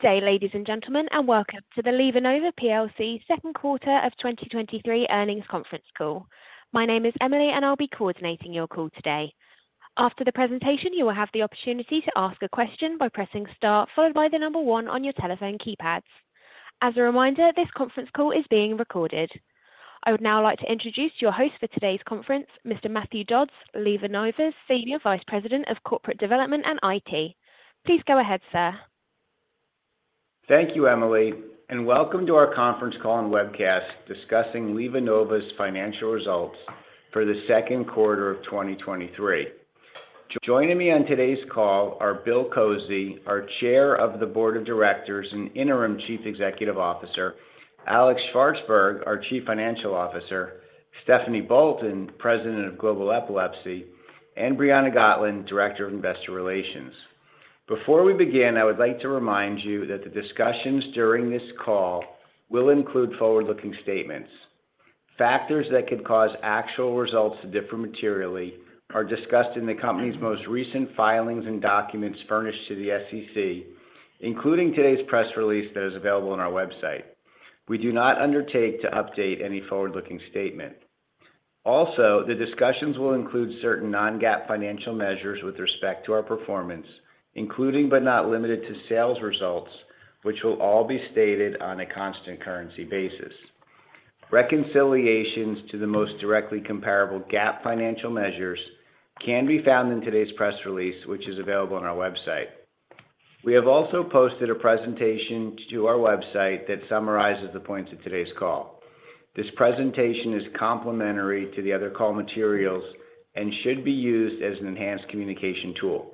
Good day, ladies and gentlemen, welcome to the LivaNova PLC Q2 of 2023 earnings conference call. My name is Emily, I'll be coordinating your call today. After the presentation, you will have the opportunity to ask a question by pressing Start, followed by the 1 on your telephone keypads. As a reminder, this conference call is being recorded. I would now like to introduce your host for today's conference, Mr. Matthew Dodds, LivaNova's Senior Vice President of Corporate Development and IT. Please go ahead, sir. Thank you, Emily, and welcome to our conference call and webcast discussing LivaNova's financial results for the Q2 of 2023. Joining me on today's call are Bill Kozy, our Chair of the Board of Directors and Interim Chief Executive Officer, Alex Shvartsburg, our Chief Financial Officer, Stephanie Bolton, President of Global Epilepsy, and Briana Gotlin, Director of Investor Relations. Before we begin, I would like to remind you that the discussions during this call will include forward-looking statements. Factors that could cause actual results to differ materially are discussed in the company's most recent filings and documents furnished to the SEC, including today's press release that is available on our website. We do not undertake to update any forward-looking statement. Also, the discussions will include certain non-GAAP financial measures with respect to our performance, including, but not limited to sales results, which will all be stated on a constant currency basis. Reconciliations to the most directly comparable GAAP financial measures can be found in today's press release, which is available on our website. We have also posted a presentation to our website that summarizes the points of today's call. This presentation is complementary to the other call materials and should be used as an enhanced communication tool.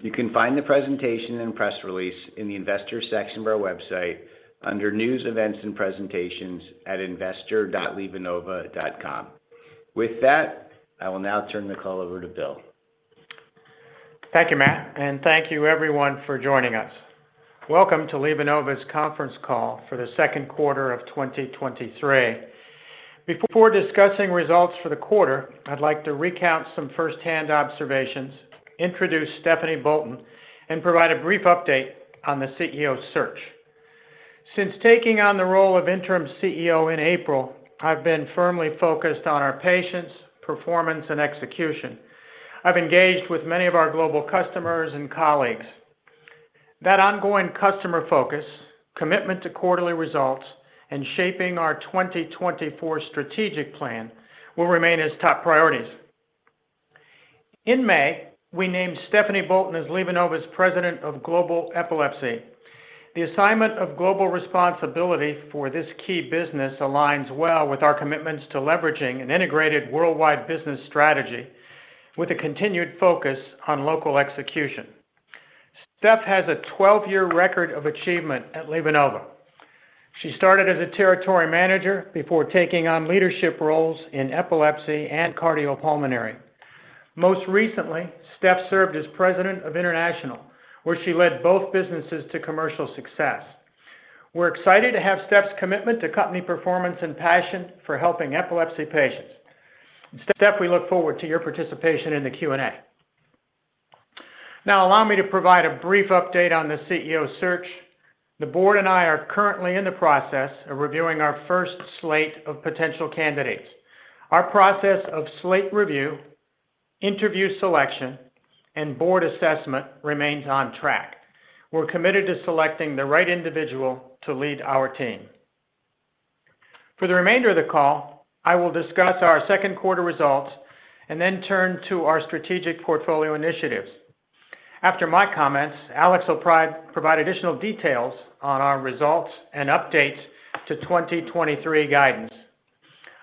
You can find the presentation and press release in the investor section of our website under News, Events, and Presentations at investor.livanova.com. With that, I will now turn the call over to Bill. Thank you, Matt. Thank you everyone for joining us. Welcome to LivaNova's conference call for the Q2 of 2023. Before discussing results for the quarter, I'd like to recount some first-hand observations, introduce Stephanie Bolton, and provide a brief update on the CEO search. Since taking on the role of interim CEO in April, I've been firmly focused on our patients, performance, and execution. I've engaged with many of our global customers and colleagues. That ongoing customer focus, commitment to quarterly results, and shaping our 2024 strategic plan will remain as top priorities. In May, we named Stephanie Bolton as LivaNova's President of Global Epilepsy. The assignment of global responsibility for this key business aligns well with our commitments to leveraging an integrated worldwide business strategy with a continued focus on local execution. Steph has a 12-year record of achievement at LivaNova. She started as a territory manager before taking on leadership roles in epilepsy and cardiopulmonary. Most recently, Steph served as President of International, where she led both businesses to commercial success. We're excited to have Steph's commitment to company performance and passion for helping epilepsy patients. Steph, we look forward to your participation in the Q&A. Allow me to provide a brief update on the CEO search. The board and I are currently in the process of reviewing our first slate of potential candidates. Our process of slate review, interview selection, and board assessment remains on track. We're committed to selecting the right individual to lead our team. For the remainder of the call, I will discuss our Q2 results and then turn to our strategic portfolio initiatives. After my comments, Alex will provide additional details on our results and updates to 2023 guidance.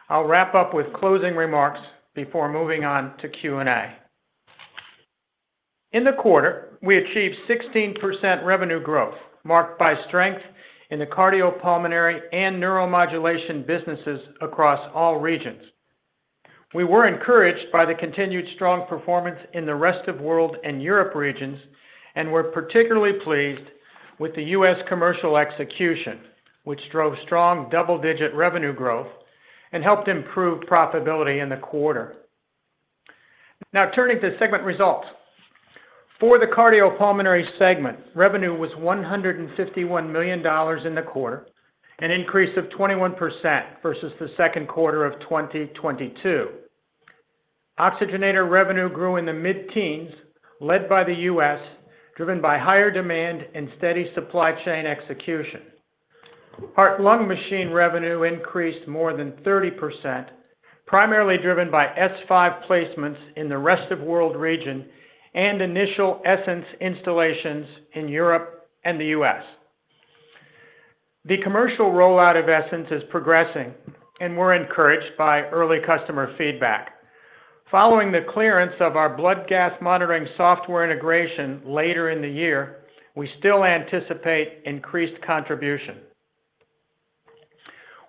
I'll wrap up with closing remarks before moving on to Q&A. In the quarter, we achieved 16% revenue growth, marked by strength in the cardiopulmonary and neuromodulation businesses across all regions. We were encouraged by the continued strong performance in the Rest of World and Europe regions, and we're particularly pleased with the U.S. commercial execution, which drove strong double-digit revenue growth and helped improve profitability in the quarter. Turning to segment results. For the cardiopulmonary segment, revenue was $151 million in the quarter, an increase of 21% versus the Q2 of 2022. Oxygenator revenue grew in the mid-teens, led by the U.S., driven by higher demand and steady supply chain execution. Heart-lung machine revenue increased more than 30%, primarily driven by S5 placements in the Rest of World region and initial Essenz installations in Europe and the U.S. The commercial rollout of Essenz is progressing. We're encouraged by early customer feedback. Following the clearance of our blood gas monitoring software integration later in the year, we still anticipate increased contribution.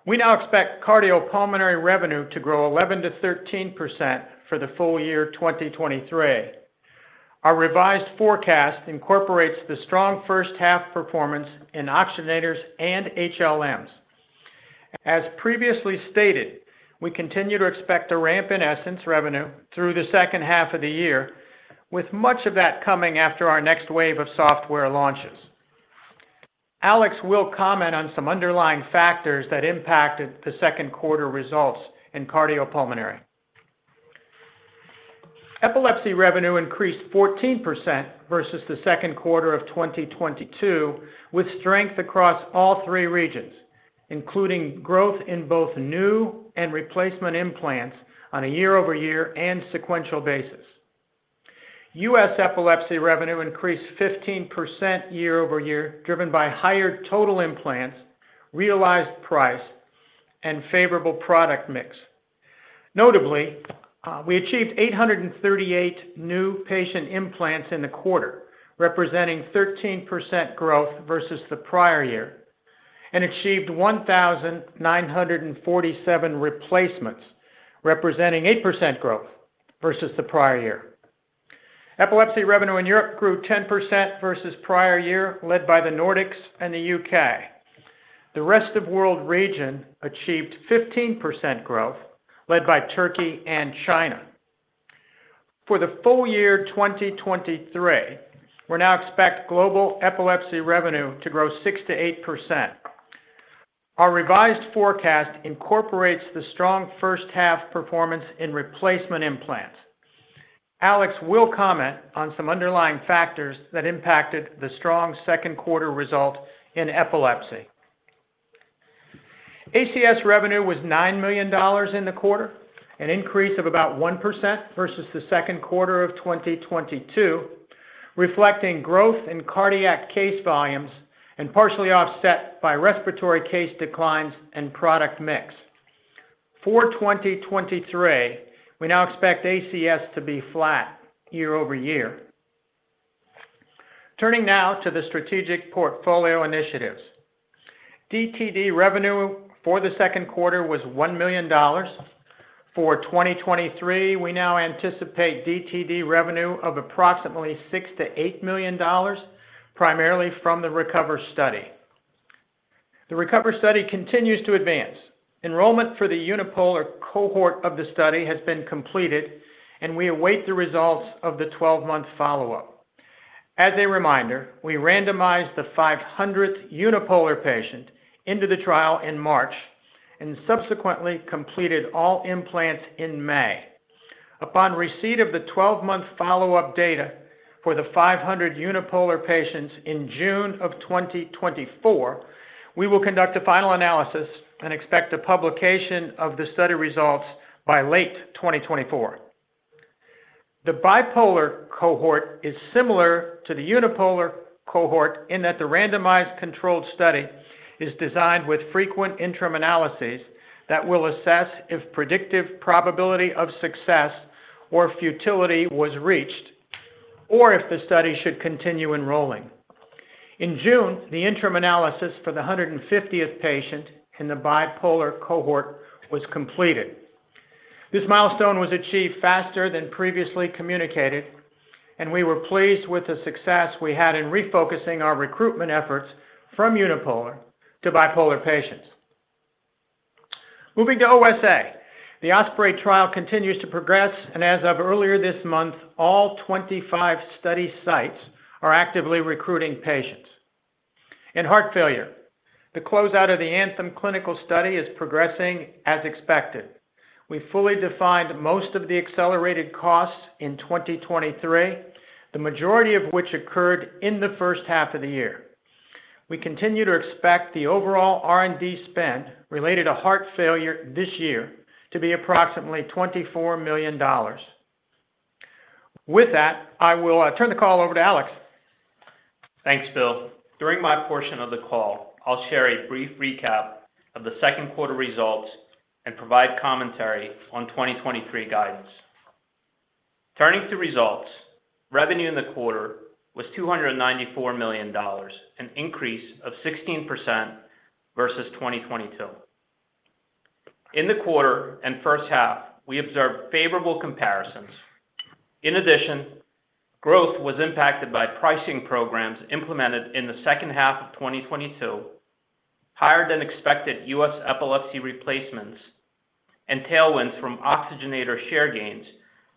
We now expect cardiopulmonary revenue to grow 11%-13% for the full year 2023. Our revised forecast incorporates the strong first half performance in oxygenators and HLMs. As previously stated, we continue to expect a ramp in Essenz revenue through the second half of the year, with much of that coming after our next wave of software launches. Alex will comment on some underlying factors that impacted the Q2 results in cardiopulmonary. Epilepsy revenue increased 14% versus the Q2 of 2022, with strength across all three regions, including growth in both new and replacement implants on a year-over-year and sequential basis. U.S. epilepsy revenue increased 15% year-over-year, driven by higher total implants, realized price, and favorable product mix. Notably, we achieved 838 new patient implants in the quarter, representing 13% growth versus the prior year, and achieved 1,947 replacements, representing 8% growth versus the prior year. Epilepsy revenue in Europe grew 10% versus prior year, led by the Nordics and the U.K. The rest of world region achieved 15% growth, led by Turkey and China. For the full year 2023, we now expect global epilepsy revenue to grow 6%-8%. Our revised forecast incorporates the strong first half performance in replacement implants. Alex will comment on some underlying factors that impacted the strong Q2 result in epilepsy. ACS revenue was $9 million in the quarter, an increase of about 1% versus the Q2 of 2022, reflecting growth in cardiac case volumes and partially offset by respiratory case declines and product mix. For 2023, we now expect ACS to be flat year-over-year. Turning now to the strategic portfolio initiatives. DTD revenue for the Q2 was $1 million. For 2023, we now anticipate DTD revenue of approximately $6 million-$8 million, primarily from the RECOVER study. The RECOVER study continues to advance. Enrollment for the unipolar cohort of the study has been completed, and we await the results of the 12-month follow-up. As a reminder, we randomized the 500th unipolar patient into the trial in March and subsequently completed all implants in May. Upon receipt of the 12-month follow-up data for the 500 unipolar patients in June of 2024, we will conduct a final analysis and expect a publication of the study results by late 2024. The bipolar cohort is similar to the unipolar cohort in that the randomized controlled study is designed with frequent interim analyses that will assess if predictive probability of success or futility was reached, or if the study should continue enrolling. In June, the interim analysis for the 150th patient in the bipolar cohort was completed. This milestone was achieved faster than previously communicated, and we were pleased with the success we had in refocusing our recruitment efforts from unipolar to bipolar patients. Moving to OSA, the OSPREY trial continues to progress, as of earlier this month, all 25 study sites are actively recruiting patients. In heart failure, the closeout of the ANTHEM clinical study is progressing as expected. We fully defined most of the accelerated costs in 2023, the majority of which occurred in the first half of the year. We continue to expect the overall R&D spend related to heart failure this year to be approximately $24 million. With that, I will turn the call over to Alex. Thanks, Bill. During my portion of the call, I'll share a brief recap of the Q2 results and provide commentary on 2023 guidance. Turning to results, revenue in the quarter was $294 million, an increase of 16% versus 2022. In the quarter and first half, we observed favorable comparisons. Growth was impacted by pricing programs implemented in the second half of 2022, higher than expected U.S. epilepsy replacements, and tailwinds from oxygenator share gains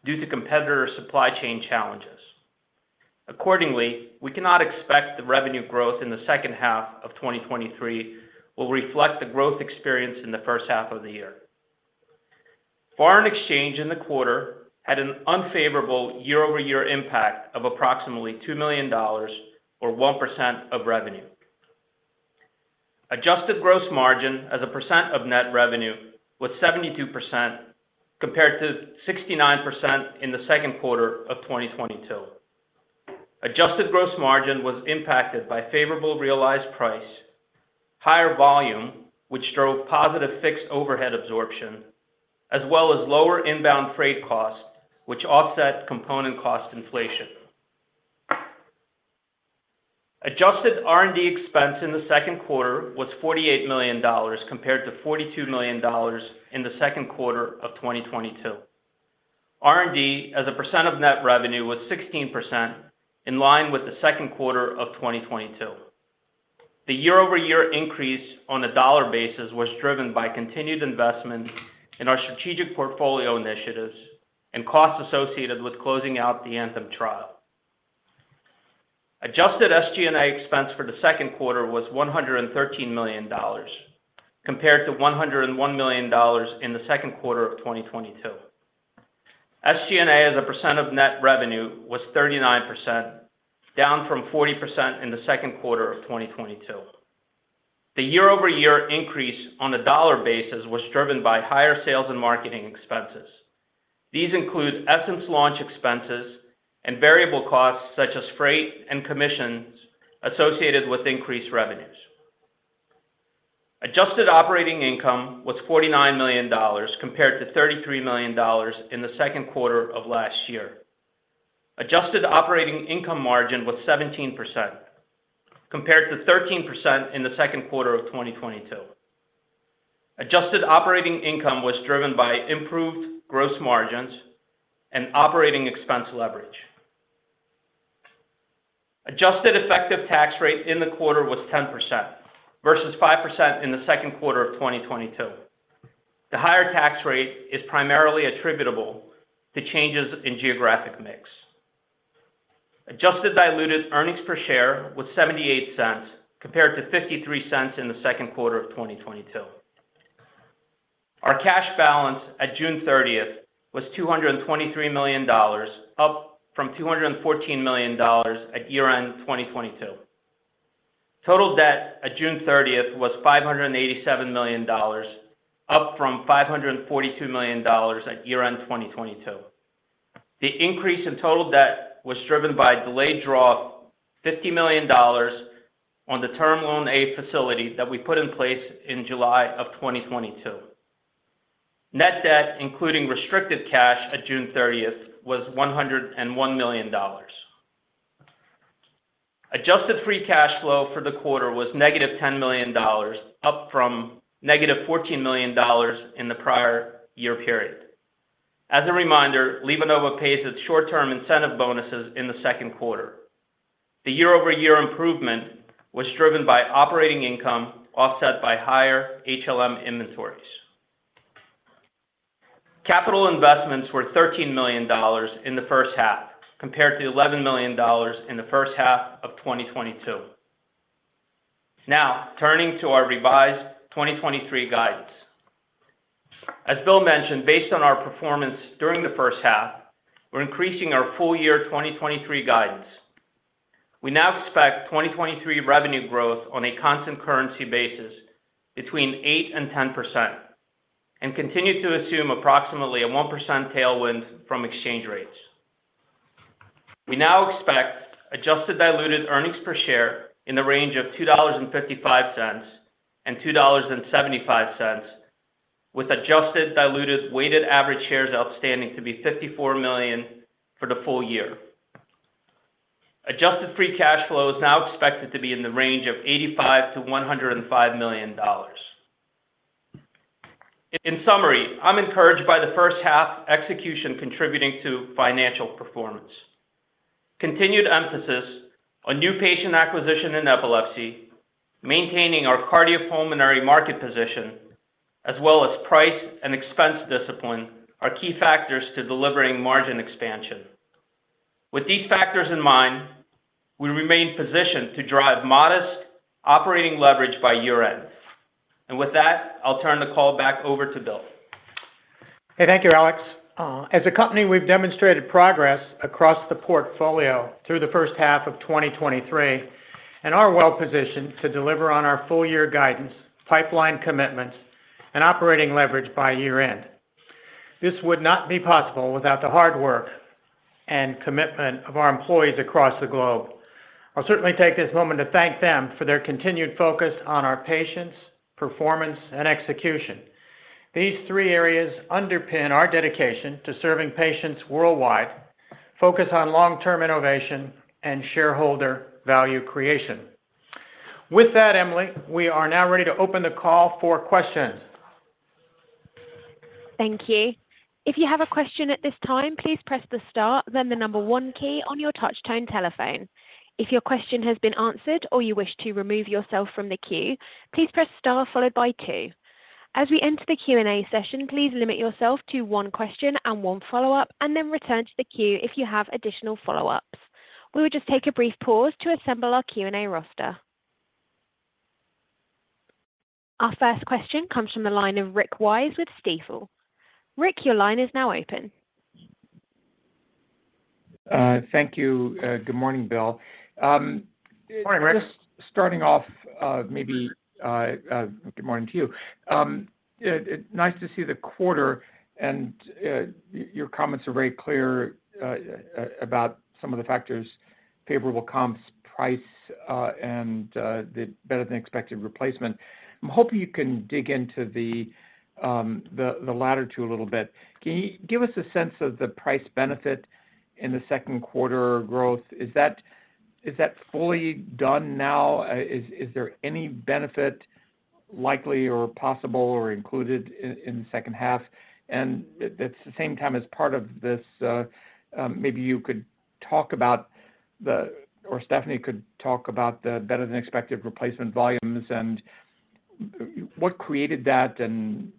due to competitor supply chain challenges. We cannot expect the revenue growth in the second half of 2023 will reflect the growth experience in the first half of the year. Foreign exchange in the quarter had an unfavorable year-over-year impact of approximately $2 million or 1% of revenue. Adjusted gross margin as a percent of net revenue was 72%, compared to 69% in the Q2 of 2022. Adjusted gross margin was impacted by favorable realized price, higher volume, which drove positive fixed overhead absorption, as well as lower inbound freight costs, which offset component cost inflation. Adjusted R&D expense in the Q2 was $48 million, compared to $42 million in the Q2 of 2022. R&D as a percent of net revenue was 16%, in line with the Q2 of 2022. The year-over-year increase on a dollar basis was driven by continued investment in our strategic portfolio initiatives and costs associated with closing out the ANTHEM trial. Adjusted SG&A expense for the Q2 was $113 million, compared to $101 million in the Q2 of 2022. SG&A, as a percent of net revenue, was 39%, down from 40% in the Q2 of 2022. The year-over-year increase on a dollar basis was driven by higher sales and marketing expenses. These include Essenz launch expenses and variable costs, such as freight and commissions, associated with increased revenues. Adjusted operating income was $49 million, compared to $33 million in the Q2 of last year. Adjusted operating income margin was 17%, compared to 13% in the Q2 of 2022. Adjusted operating income was driven by improved gross margins and operating expense leverage. Adjusted effective tax rate in the quarter was 10% versus 5% in the Q2 of 2022. The higher tax rate is primarily attributable to changes in geographic mix. Adjusted diluted earnings per share was $0.78, compared to $0.53 in the Q2 of 2022. Our cash balance at June 30th was $223 million, up from $214 million at year-end 2022. Total debt at June 30th was $587 million, up from $542 million at year-end 2022. The increase in total debt was driven by delayed draw, $50 million on the Term Loan A facility that we put in place in July of 2022. Net debt, including restricted cash at June 30th, was $101 million. Adjusted free cash flow for the quarter was -$10 million, up from -$14 million in the prior year period. As a reminder, LivaNova pays its short-term incentive bonuses in the Q2. The year-over-year improvement was driven by operating income, offset by higher HLM inventories. Capital investments were $13 million in the first half, compared to $11 million in the first half of 2022. Turning to our revised 2023 guidance. As Bill mentioned, based on our performance during the first half, we're increasing our full year 2023 guidance. We now expect 2023 revenue growth on a constant currency basis between 8% and 10%, and continue to assume approximately a 1% tailwind from exchange rates. We now expect adjusted diluted earnings per share in the range of $2.55 and $2.75, with adjusted diluted weighted average shares outstanding to be 54 million for the full year. Adjusted free cash flow is now expected to be in the range of $85 million-$105 million. In summary, I'm encouraged by the first half execution contributing to financial performance. Continued emphasis on new patient acquisition in epilepsy, maintaining our cardiopulmonary market position, as well as price and expense discipline, are key factors to delivering margin expansion. With these factors in mind, we remain positioned to drive modest operating leverage by year-end. With that, I'll turn the call back over to Bill. Hey, thank you, Alex. As a company, we've demonstrated progress across the portfolio through the first half of 2023, and are well positioned to deliver on our full year guidance, pipeline commitments, and operating leverage by year-end. This would not be possible without the hard work and commitment of our employees across the globe. I'll certainly take this moment to thank them for their continued focus on our patients, performance, and execution. These three areas underpin our dedication to serving patients worldwide, focus on long-term innovation, and shareholder value creation. With that, Emily, we are now ready to open the call for questions. Thank you. If you have a question at this time, please press the star, then the number 1 key on your touch tone telephone. If your question has been answered or you wish to remove yourself from the queue, please press star followed by 2. As we enter the Q&A session, please limit yourself to 1 question and 1 follow-up, and then return to the queue if you have additional follow-ups. We will just take a brief pause to assemble our Q&A roster. Our first question comes from the line of Rick Wise with Stifel. Rick, your line is now open. Thank you. Good morning, Bill. Good morning, Rick. Just starting off, maybe. Good morning to you. It nice to see the quarter, and your comments are very clear about some of the factors, favorable comps, price, and the better than expected replacement. I'm hoping you can dig into the latter two a little bit. Can you give us a sense of the price benefit in the Q2 growth? Is that fully done now? Is there any benefit likely or possible or included in the second half? At the same time, as part of this, maybe you could talk about the, or Stephanie could talk about the better-than-expected replacement volumes and what created that, and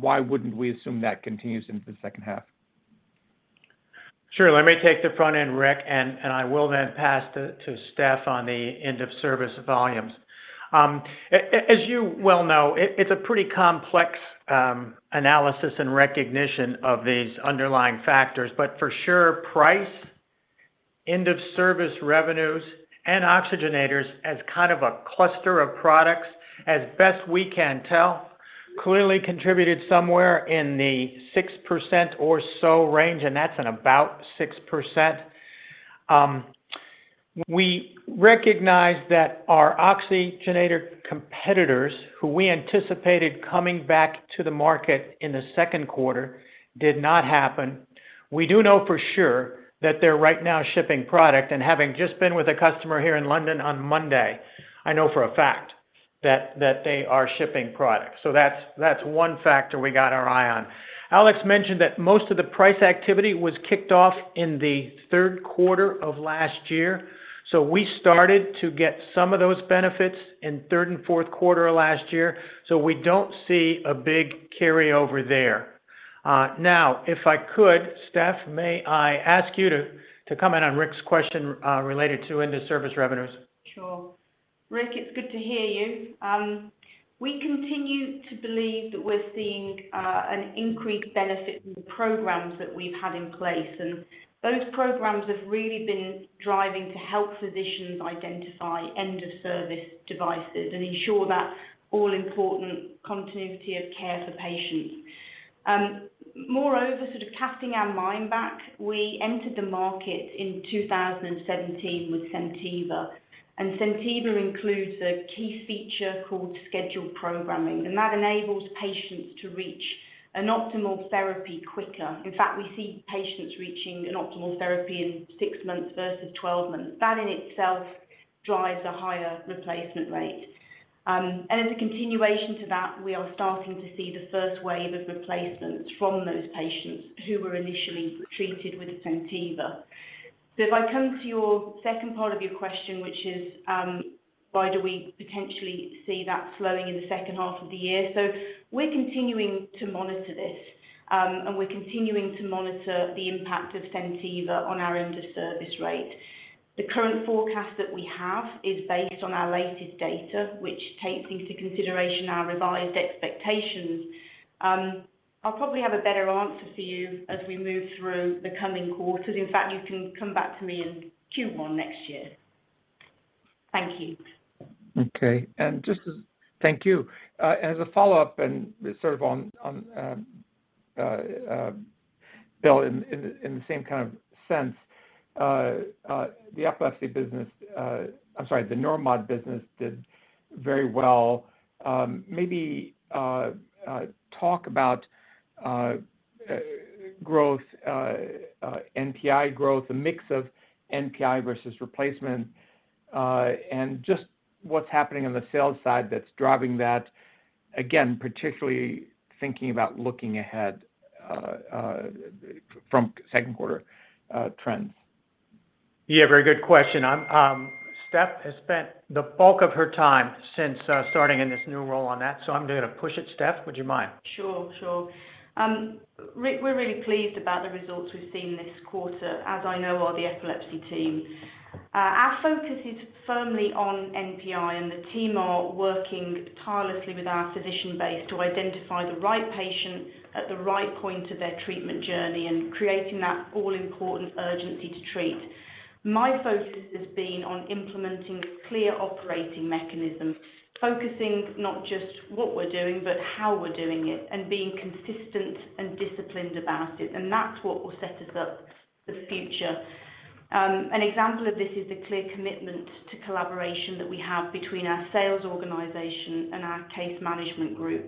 why wouldn't we assume that continues into the second half? Sure. Let me take the front end, Rick, and I will then pass to Steph on the end-of-service volumes. As you well know, it's a pretty complex analysis and recognition of these underlying factors, but for sure, price, end-of-service revenues, and oxygenators as kind of a cluster of products, as best we can tell, clearly contributed somewhere in the 6% or so range. That's in about 6%. We recognize that our oxygenator competitors, who we anticipated coming back to the market in the Q2, did not happen. We do know for sure that they're right now shipping product. Having just been with a customer here in London on Monday, I know for a fact that they are shipping product. That's one factor we got our eye on. Alex mentioned that most of the price activity was kicked off in the third quarter of last year, so we started to get some of those benefits in third and fourth quarter of last year, so we don't see a big carryover there. Now, if I could, Steph, may I ask you to comment on Rick's question, related to end-of-service revenues? Sure. Rick, it's good to hear you. We continue to believe that we're seeing an increased benefit from the programs that we've had in place. Those programs have really been driving to help physicians identify end-of-service devices and ensure that all important continuity of care for patients. Moreover, sort of casting our mind back, we entered the market in 2017 with SenTiva. SenTiva includes a key feature called Scheduled Programming. That enables patients to reach an optimal therapy quicker. In fact, we see patients reaching an optimal therapy in 6 months versus 12 months. That in itself drives a higher replacement rate. As a continuation to that, we are starting to see the first wave of replacements from those patients who were initially treated with SenTiva. If I come to your second part of your question, which is, why do we potentially see that slowing in the second half of the year? We're continuing to monitor this, and we're continuing to monitor the impact of SenTiva on our end-of-service rate. The current forecast that we have is based on our latest data, which takes into consideration our revised expectations. I'll probably have a better answer for you as we move through the coming quarters. In fact, you can come back to me in Q1 next year. Thank you. Thank you. As a follow-up and sort of on Bill, in the same kind of sense, the epilepsy business, I'm sorry, the neuromod business did very well. Maybe talk about growth, NPI growth, a mix of NPI versus replacement, and just what's happening on the sales side that's driving that, again, particularly thinking about looking ahead from Q2 trends. Yeah, very good question. Steph has spent the bulk of her time since starting in this new role on that, so I'm gonna push it, Steph. Would you mind? Sure. Sure. Rick, we're really pleased about the results we've seen this quarter, as I know are the epilepsy team. Our focus is firmly on NPI, and the team are working tirelessly with our physician base to identify the right patient at the right point of their treatment journey and creating that all-important urgency to treat. My focus has been on implementing clear operating mechanisms, focusing not just what we're doing, but how we're doing it, and being consistent and disciplined about it. That's what will set us up for the future. An example of this is the clear commitment to collaboration that we have between our sales organization and our case management group.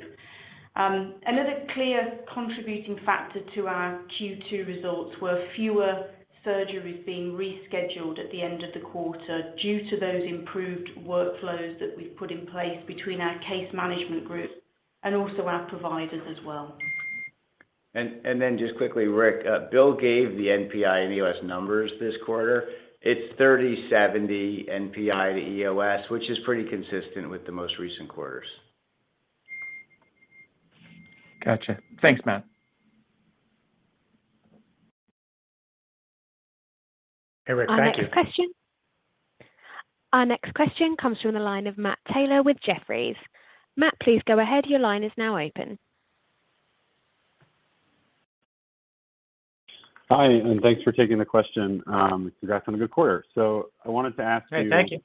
Another clear contributing factor to our Q2 results were fewer surgeries being rescheduled at the end of the quarter due to those improved workflows that we've put in place between our case management group and also our providers as well. Then just quickly, Rick Wise, Bill Kozy gave the NPI and EOS numbers this quarter. It's 30/70, NPI to EOS, which is pretty consistent with the most recent quarters. Gotcha. Thanks, Matt. Hey, Rick, thank you. Our next question comes from the line of Matt Taylor with Jefferies. Matt, please go ahead. Your line is now open. Hi, thanks for taking the question. Congrats on a good quarter. I wanted to ask you. Hey, thank you.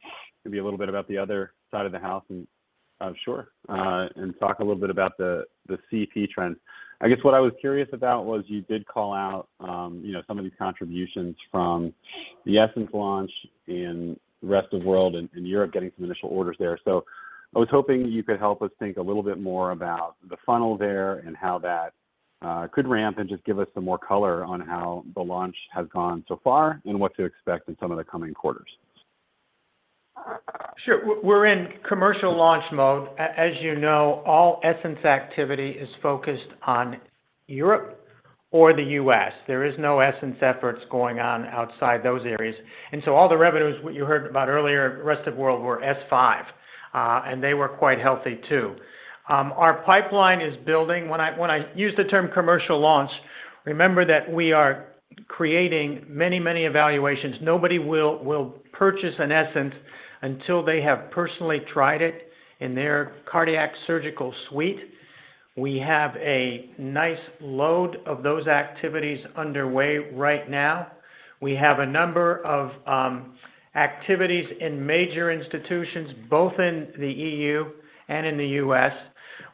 Maybe a little bit about the other side of the house, and talk a little bit about the CP trends. I guess what I was curious about was you did call out, you know, some of these contributions from the Essenz launch in the rest of world and Europe, getting some initial orders there. I was hoping you could help us think a little bit more about the funnel there and how that could ramp, and just give us some more color on how the launch has gone so far, and what to expect in some of the coming quarters? Sure. We're in commercial launch mode. As you know, all Essenz activity is focused on Europe or the US. There is no Essenz efforts going on outside those areas. So all the revenues, what you heard about earlier, rest of world, were S5, and they were quite healthy, too. Our pipeline is building. When I use the term commercial launch, remember that we are creating many, many evaluations. Nobody will purchase an Essenz until they have personally tried it in their cardiac surgical suite. We have a nice load of those activities underway right now. We have a number of activities in major institutions, both in the EU and in the US.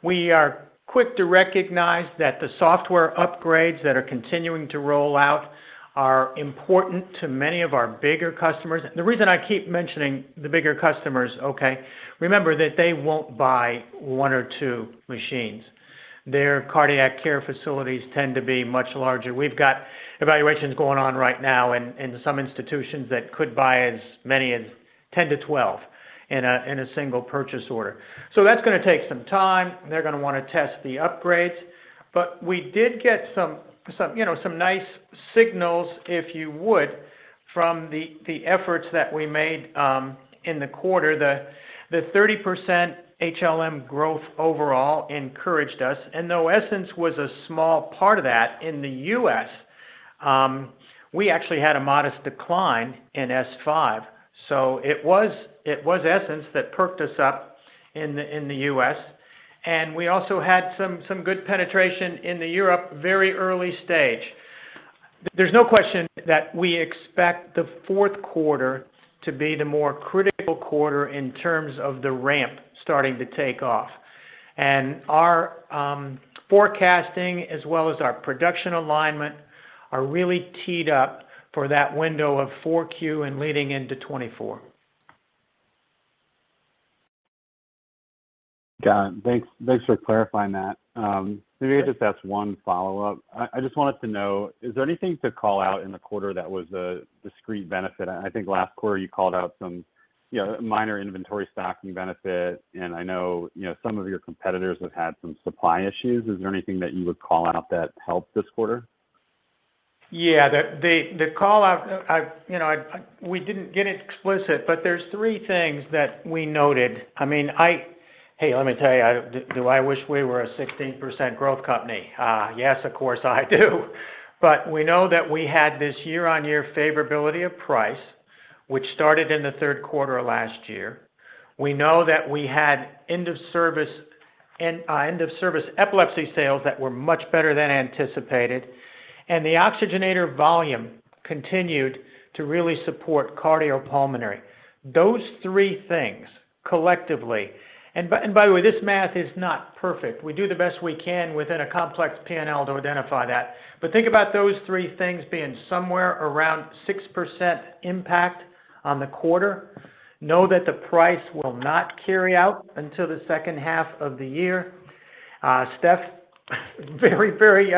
We are quick to recognize that the software upgrades that are continuing to roll out are important to many of our bigger customers. The reason I keep mentioning the bigger customers, okay, remember that they won't buy one or two machines. Their cardiac care facilities tend to be much larger. We've got evaluations going on right now in some institutions that could buy as many as 10 to 12 in a single purchase order. That's gonna take some time, and they're gonna wanna test the upgrades. We did get some, you know, some nice signals, if you would, from the efforts that we made in the quarter. The 30% HLM growth overall encouraged us, and though Essenz was a small part of that, in the U.S., we actually had a modest decline in S5. It was Essenz that perked us up in the, in the US, and we also had some good penetration into Europe, very early stage. There's no question that we expect the fourth quarter to be the more critical quarter in terms of the ramp starting to take off. Our forecasting, as well as our production alignment, are really teed up for that window of 4Q and leading into 2024. Got it. Thanks for clarifying that. Let me just ask one follow-up. I just wanted to know, is there anything to call out in the quarter that was a discrete benefit? I think last quarter you called out some, you know, minor inventory stocking benefit, and I know, you know, some of your competitors have had some supply issues. Is there anything that you would call out that helped this quarter? Yeah. The call out, you know, we didn't get it explicit, but there's three things that we noted. I mean, Hey, let me tell you, do I wish we were a 16% growth company? Yes, of course I do. We know that we had this year-on-year favorability of price, which started in the third quarter of last year. We know that we had end of service, and end of service epilepsy sales that were much better than anticipated, and the oxygenator volume continued to really support cardiopulmonary. Those three things, collectively... By the way, this math is not perfect. We do the best we can within a complex PNL to identify that. Think about those three things being somewhere around 6% impact on the quarter. Know that the price will not carry out until the second half of the year. Steph, very, very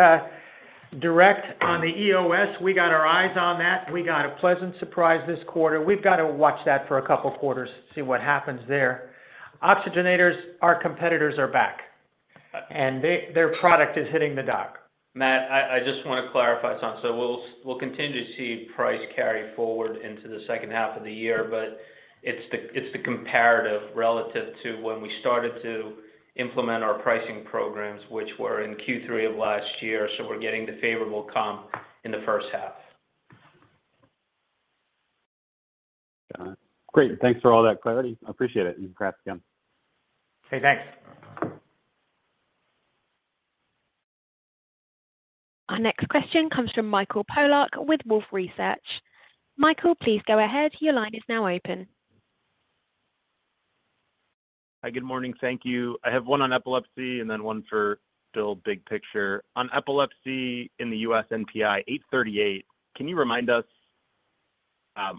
direct on the EOS, we got our eyes on that. We got a pleasant surprise this quarter. We've got to watch that for a couple quarters, see what happens there. Oxygenators, our competitors are back, and their product is hitting the dock. Matt, I just want to clarify something. We'll continue to see price carry forward into the second half of the year, but it's the comparative relative to when we started to implement our pricing programs, which were in Q3 of last year, so we're getting the favorable comp in the first half. Got it. Great. Thanks for all that clarity. I appreciate it. Congrats again. Okay, thanks. Our next question comes from Michael Polark with Wolfe Research. Michael, please go ahead. Your line is now open. Hi, good morning. Thank you. I have one on epilepsy and then one for Bill, big picture. On epilepsy in the U.S. NPI, 838, can you remind us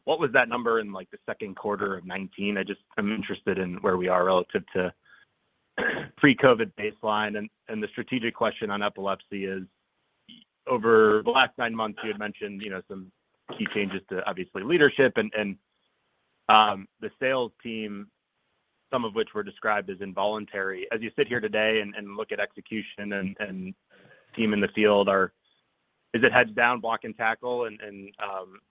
what was that number in, like,Q2 2019? I just, I'm interested in where we are relative to pre-COVID baseline. The strategic question on epilepsy is, over the last nine months, you had mentioned, you know, some key changes to, obviously, leadership and the sales team, some of which were described as involuntary. As you sit here today and look at execution and team in the field, is it heads down, block and tackle, and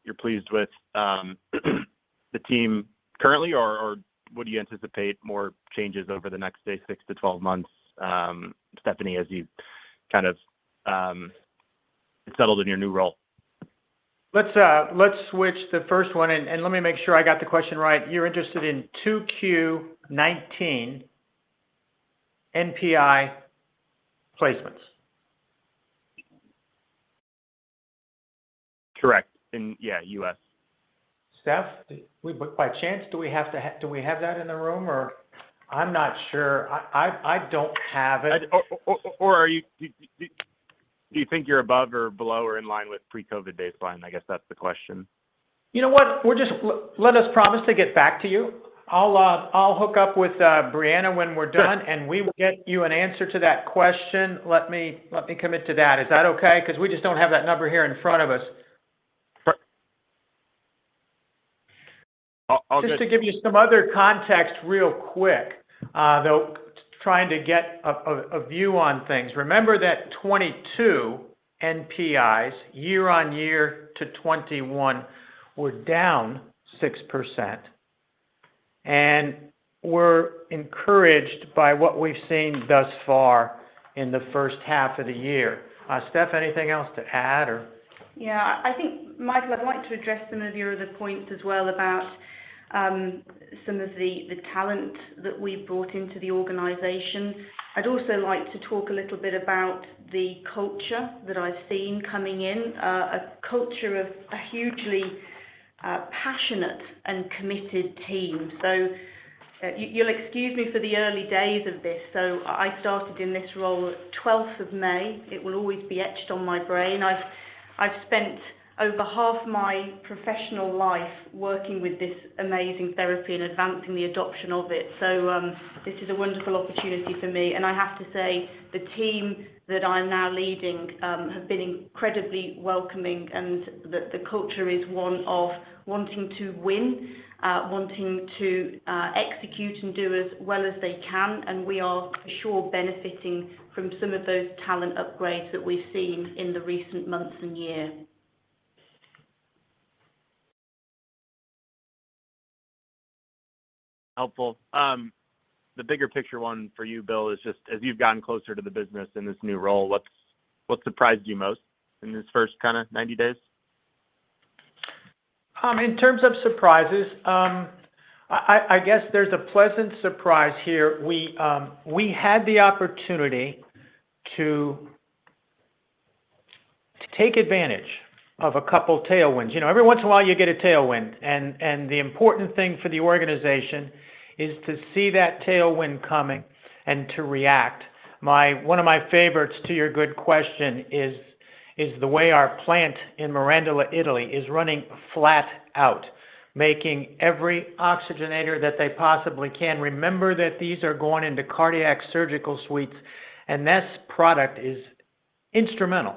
you're pleased with the team currently, or what do you anticipate more changes over the next, say, 6 to 12 months, Stephanie, as you kind of settled in your new role? Let's switch the first one, and let me make sure I got the question right. You're interested in 2 Q19 NPI placements? Correct. In, yeah, U.S. Steph, by chance, do we have to do we have that in the room, or...? I'm not sure. I don't have it. Do you think you're above or below or in line with pre-COVID baseline? I guess that's the question. You know what? We're just let us promise to get back to you. I'll hook up with Brianna when we're done, and we will get you an answer to that question. Let me, let me commit to that. Is that okay? Because we just don't have that number here in front of us. Okay. Just to give you some other context real quick, though, trying to get a view on things. Remember that 22 NPIs, year-on-year to 21 were down 6%. We're encouraged by what we've seen thus far in the first half of the year. Steph, anything else to add or? I think, Michael, I'd like to address some of your other points as well about some of the talent that we've brought into the organization. I'd also like to talk a little bit about the culture that I've seen coming in. A culture of a hugely passionate and committed team. You'll excuse me for the early days of this. I started in this role on 12th of May. It will always be etched on my brain. I've spent over half my professional life working with this amazing therapy and advancing the adoption of it. This is a wonderful opportunity for me. I have to say, the team that I'm now leading, have been incredibly welcoming and the culture is one of wanting to win, wanting to execute and do as well as they can, and we are for sure benefiting from some of those talent upgrades that we've seen in the recent months and year. Helpful. The bigger picture one for you, Bill, is just as you've gotten closer to the business in this new role, what surprised you most in this first kind of 90 days? In terms of surprises, I guess there's a pleasant surprise here. We had the opportunity to take advantage of a couple of tailwinds. You know, every once in a while, you get a tailwind, and the important thing for the organization is to see that tailwind coming and to react. One of my favorites, to your good question, is the way our plant in Mirandola, Italy, is running flat out, making every oxygenator that they possibly can. Remember that these are going into cardiac surgical suites, and this product is instrumental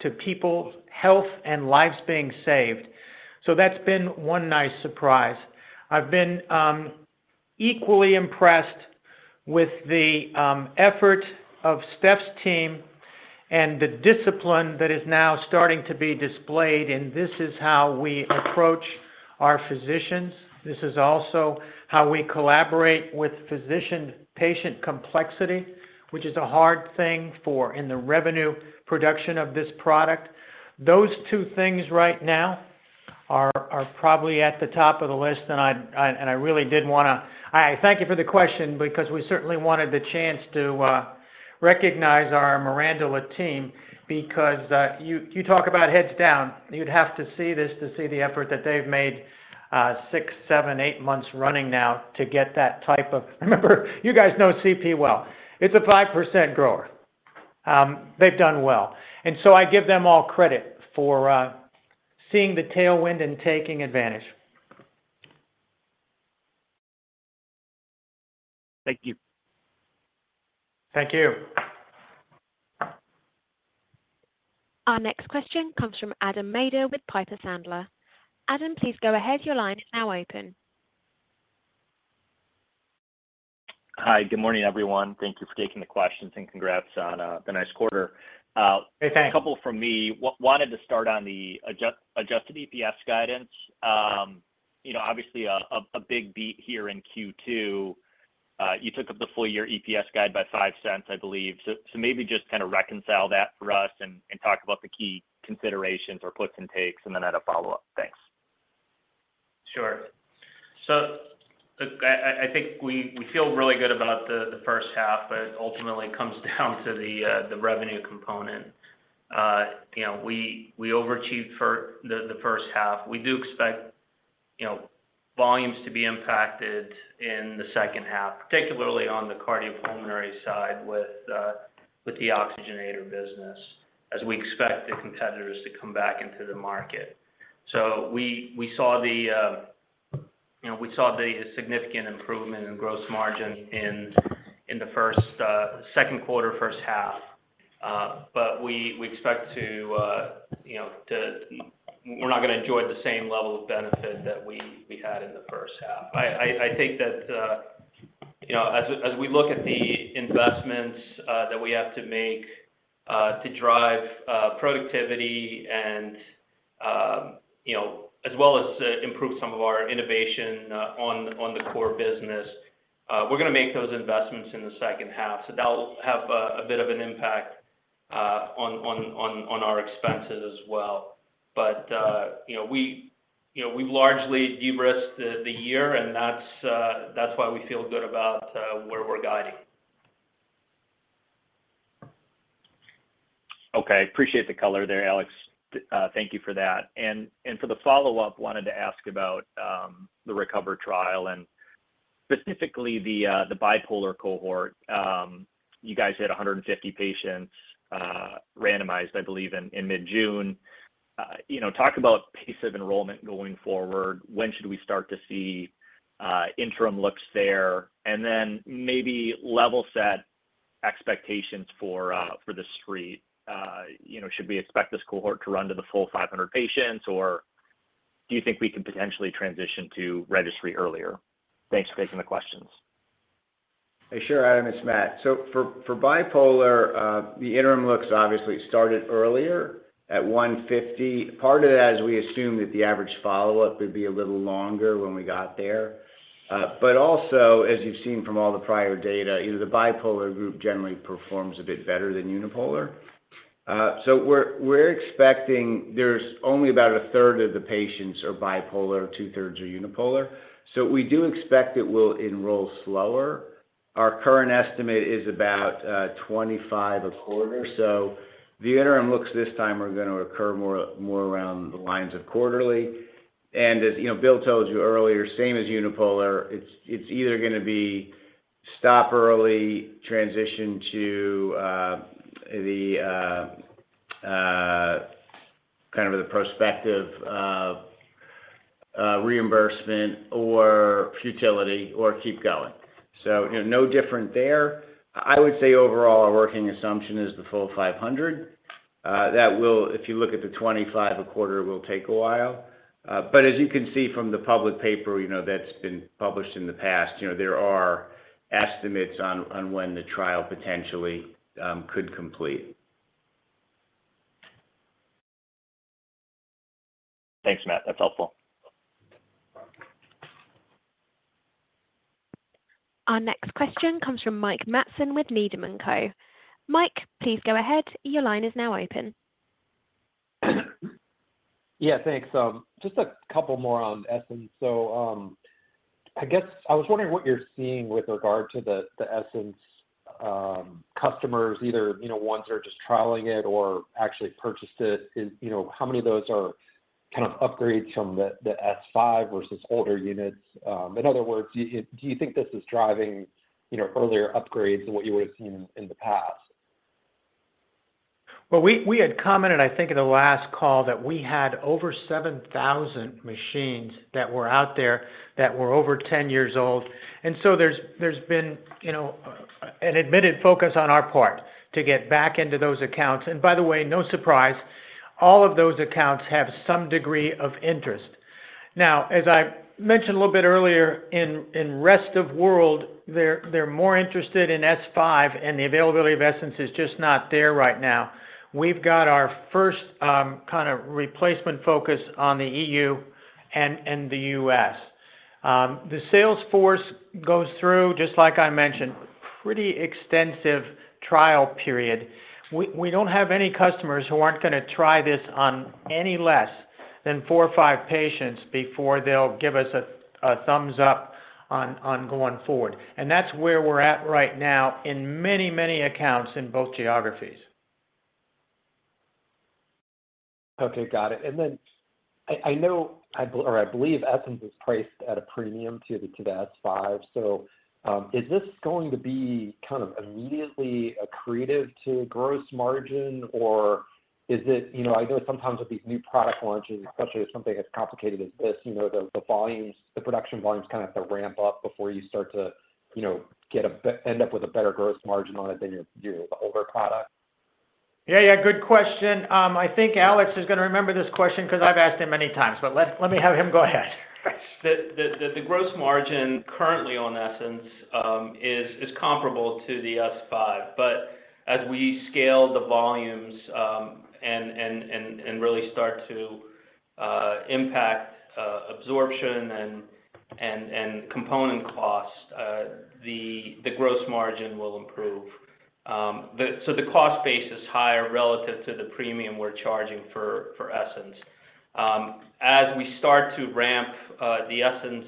to people's health and lives being saved. That's been one nice surprise. I've been equally impressed with the effort of Steph's team and the discipline that is now starting to be displayed, and this is how we approach our physicians. This is also how we collaborate with physician-patient complexity, which is a hard thing for in the revenue production of this product. Those two things right now are probably at the top of the list. I really did want to. I thank you for the question because we certainly wanted the chance to recognize our Mirandola team because you talk about heads down, you'd have to see this to see the effort that they've made 6, 7, 8 months running now to get that type of. Remember, you guys know CP well. It's a 5% grower. They've done well. I give them all credit for seeing the tailwind and taking advantage. Thank you. Thank you. Our next question comes from Adam Maeder with Piper Sandler. Adam, please go ahead. Your line is now open. Hi, good morning, everyone. Thank you for taking the questions, and congrats on the nice quarter. Hey, thanks. A couple from me. Wanted to start on the adjusted EPS guidance. You know, obviously a big beat here in Q2. You took up the full year EPS guide by $0.05, I believe. Maybe just kind of reconcile that for us and talk about the key considerations or puts and takes, and then I have a follow-up. Thanks. I think we feel really good about the 1st half, but it ultimately comes down to the revenue component. You know, we overachieved for the 1st half. We do expect, you know, volumes to be impacted in the 2nd half, particularly on the cardiopulmonary side with the oxygenator business, as we expect the competitors to come back into the market. We saw the, you know, significant improvement in gross margin in the 2nd quarter, 1st half. But we expect to, you know, we're not going to enjoy the same level of benefit that we had in the 1st half. I think that, you know, as we look at the investments that we have to make to drive productivity and, you know, as well as improve some of our innovation on the core business, we're going to make those investments in the second half. That will have a bit of an impact on our expenses as well. You know, we've largely de-risked the year, and that's why we feel good about where we're guiding. Okay, appreciate the color there, Alex. thank you for that. For the follow-up, wanted to ask about the RECOVER trial specifically the bipolar cohort, you guys had 150 patients randomized, I believe, in mid-June. you know, talk about pace of enrollment going forward. When should we start to see interim looks there? Then maybe level set expectations for the street. you know, should we expect this cohort to run to the full 500 patients, or do you think we can potentially transition to registry earlier? Thanks for taking the questions. Hey, sure, Adam, it's Matt. For bipolar, the interim looks obviously started earlier at 150. Part of that is we assumed that the average follow-up would be a little longer when we got there. Also, as you've seen from all the prior data, you know, the bipolar group generally performs a bit better than unipolar. We're expecting there's only about a third of the patients are bipolar, two thirds are unipolar. We do expect it will enroll slower. Our current estimate is about 25 a quarter. The interim looks this time are gonna occur more around the lines of quarterly. As you know, Bill told you earlier, same as unipolar, it's either gonna be stop early transition to the kind of the prospective of reimbursement or futility or keep going. you know, no different there. I would say overall, our working assumption is the full $500. that will if you look at the $25 a quarter, will take a while. but as you can see from the public paper, you know, that's been published in the past, you know, there are estimates on when the trial potentially could complete. Thanks, Matt. That's helpful. Our next question comes from Mike Matson with Needham Co. Mike, please go ahead. Your line is now open. Yeah, thanks. Just a couple more on Essenz. I guess I was wondering what you're seeing with regard to the Essenz customers, either, you know, ones who are just trialing it or actually purchased it? You know, how many of those are kind of upgrades from the S5 versus older units? In other words, do you think this is driving, you know, earlier upgrades than what you would have seen in the past? Well, we had commented, I think, in the last call that we had over 7,000 machines that were out there that were over 10 years old. So there's been, you know, an admitted focus on our part to get back into those accounts. By the way, no surprise, all of those accounts have some degree of interest. As I mentioned a little bit earlier, in rest of world, they're more interested in S5, and the availability of Essenz is just not there right now. We've got our first, kind of replacement focus on the EU and the US. The sales force goes through, just like I mentioned, pretty extensive trial period. We don't have any customers who aren't gonna try this on any less than 4 or 5 patients before they'll give us a thumbs up on going forward. That's where we're at right now in many, many accounts in both geographies. Got it. I know, I believe Essenz is priced at a premium to the S5. Is this going to be kind of immediately accretive to gross margin, or is it, you know, I know sometimes with these new product launches, especially with something as complicated as this, you know, the volumes, the production volumes kind of have to ramp up before you start to, you know, end up with a better gross margin on it than your older product? Yeah, yeah, good question. I think Alex is gonna remember this question 'cause I've asked him many times, but let me have him go ahead. The gross margin currently on Essenz is comparable to the S5. As we scale the volumes and really start to impact absorption and component cost, the gross margin will improve. The cost base is higher relative to the premium we're charging for Essenz. As we start to ramp the Essenz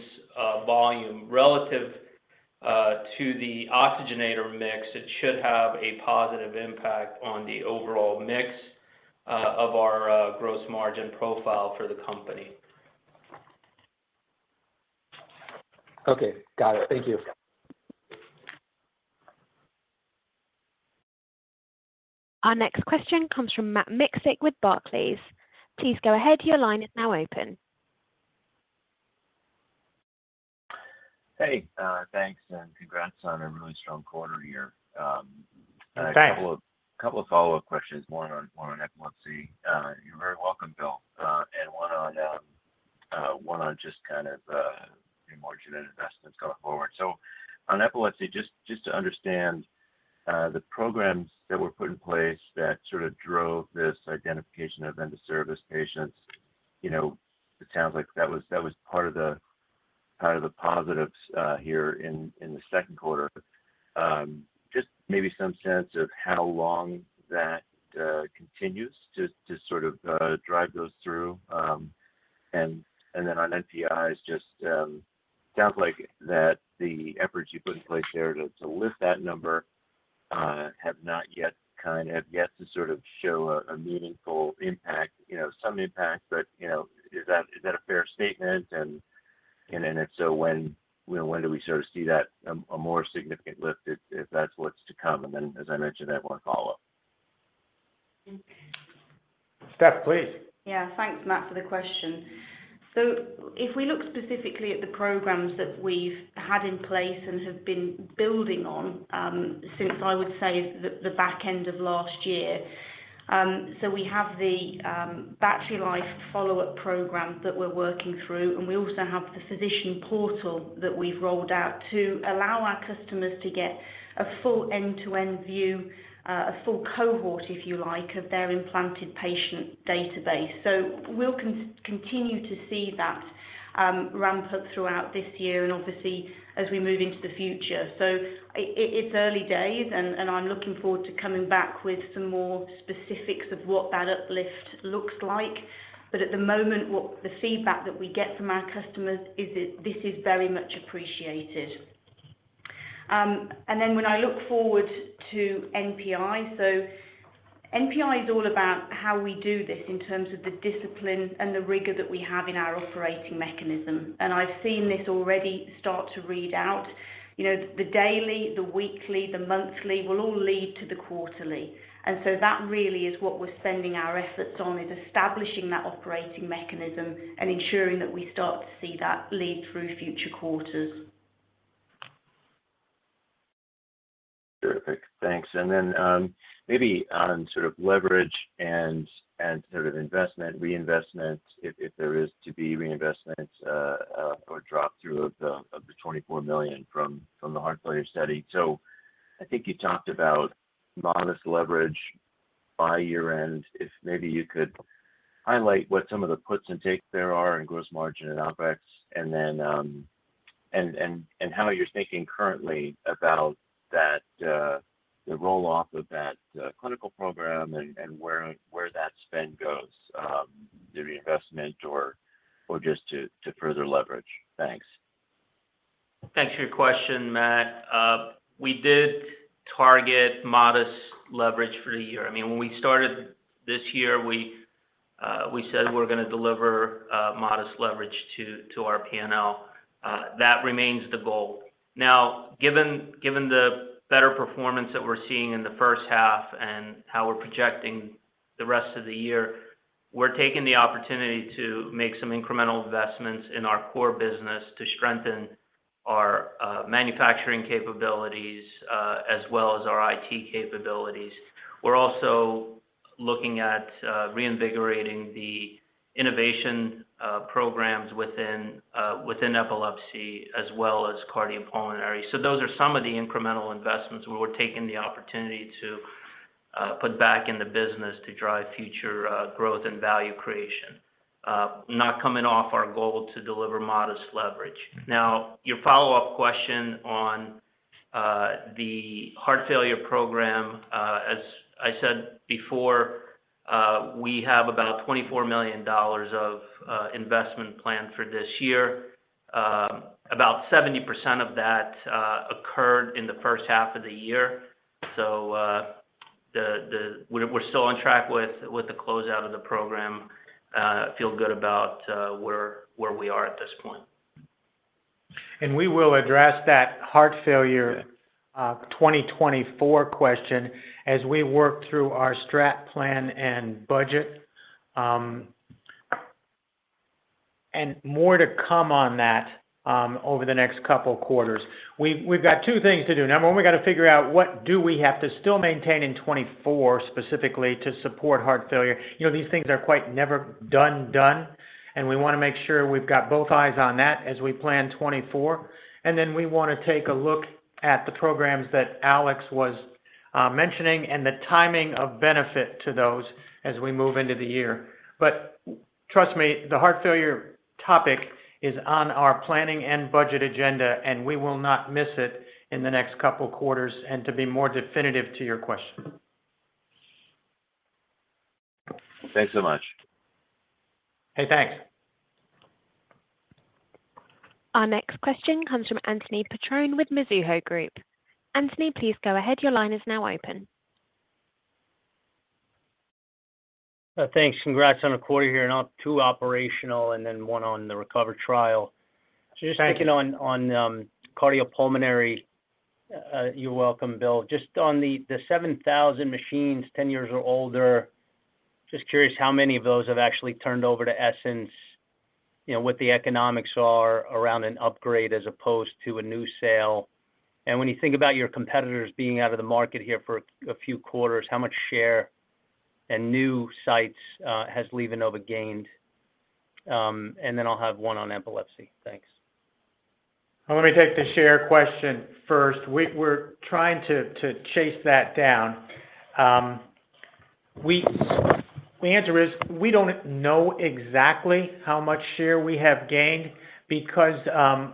volume relative to the oxygenator mix, it should have a positive impact on the overall mix of our gross margin profile for the company. Got it. Thank you. Our next question comes from Matt Miksic with Barclays. Please go ahead. Your line is now open. Hey, thanks, and congrats on a really strong quarter here. Thanks. A couple of follow-up questions, one on epilepsy. You're very welcome, Bill. One on just kind of margin and investments going forward. On epilepsy, just to understand the programs that were put in place that sort of drove this identification of under serviced patients, you know, it sounds like that was part of the positives here in the Q2. Just maybe some sense of how long that continues to sort of drive those through. Then on NPIs, just sounds like that the efforts you put in place there to lift that number. have not yet to sort of show a meaningful impact, you know, some impact, but, you know, is that a fair statement? If so, when do we sort of see that, a more significant lift, if that's what's to come? As I mentioned, I have one follow-up. Steph, please. Yeah. Thanks, Matt, for the question. If we look specifically at the programs that we've had in place and have been building on since I would say the back end of last year. We have the battery life follow-up program that we're working through, and we also have the physician portal that we've rolled out to allow our customers to get a full end-to-end view, a full cohort, if you like, of their implanted patient database. We'll continue to see that ramp up throughout this year and obviously as we move into the future. It's early days, and I'm looking forward to coming back with some more specifics of what that uplift looks like. At the moment, what the feedback that we get from our customers is that this is very much appreciated. When I look forward to NPI is all about how we do this in terms of the discipline and the rigor that we have in our operating mechanism. I've seen this already start to read out, you know, the daily, the weekly, the monthly, will all lead to the quarterly. That really is what we're spending our efforts on, is establishing that operating mechanism and ensuring that we start to see that lead through future quarters. Terrific. Thanks. Maybe on sort of leverage and sort of investment, reinvestment, if there is to be reinvestment, or drop through of the $24 million from the heart failure study. I think you talked about modest leverage by year-end. If maybe you could highlight what some of the puts and takes there are in gross margin and OpEx, and how you're thinking currently about that, the roll-off of that clinical program and where that spend goes, the reinvestment or just to further leverage. Thanks. Thanks for your question, Matt. We did target modest leverage for the year. I mean, when we started this year, we said we're gonna deliver modest leverage to our PNL. That remains the goal. Now, given the better performance that we're seeing in the first half and how we're projecting the rest of the year, we're taking the opportunity to make some incremental investments in our core business to strengthen our manufacturing capabilities, as well as our IT capabilities. We're also looking at reinvigorating the innovation programs within epilepsy as well as cardiopulmonary. Those are some of the incremental investments where we're taking the opportunity to put back in the business to drive future growth and value creation, not coming off our goal to deliver modest leverage. Your follow-up question on the heart failure program, as I said before, we have about $24 million of investment planned for this year. About 70% of that occurred in the first half of the year. We're still on track with the closeout of the program, feel good about where we are at this point. We will address that heart failure 2024 question as we work through our strat plan and budget. More to come on that over the next couple quarters. We've got two things to do. Number one, we got to figure what do we have to still maintain in 2024, specifically to support heart failure. You know, these things are quite never done, and we want to make sure we've got both eyes on that as we plan 2024. Then we want to take a look at the programs that Alex was mentioning and the timing of benefit to those as we move into the year. Trust me, the heart failure topic is on our planning and budget agenda, and we will not miss it in the next couple quarters, and to be more definitive to your question. Thanks so much. Hey, thanks. Our next question comes from Anthony Petrone with Mizuho Group. Anthony, please go ahead. Your line is now open. Thanks. Congrats on the quarter here, not 2 operational, and then 1 on the RECOVER trial. Thank you. Just checking on, cardiopulmonary. You're welcome, Bill. Just on the 7,000 machines, 10 years or older, just curious how many of those have actually turned over to Essenz, you know, what the economics are around an upgrade as opposed to a new sale? When you think about your competitors being out of the market here for a few quarters, how much share and new sites has LivaNova gained? Then I'll have one on epilepsy. Thanks. Let me take the share question first. We're trying to chase that down. We, the answer is, we don't know exactly how much share we have gained because